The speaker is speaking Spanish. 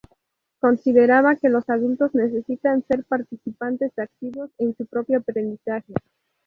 Consideraba que los adultos necesitan ser participantes activos en su propio aprendizaje.